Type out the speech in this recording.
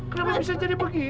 kenapa bisa jadi begini